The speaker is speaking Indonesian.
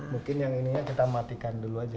mungkin yang ininya kita matikan dulu aja